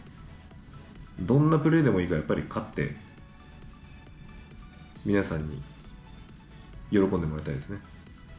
どんなプレーでもいいから、やっぱり勝って、皆さんに喜んでもらいたいですね。